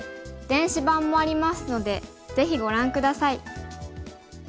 電子版もありますのでぜひご覧下さい。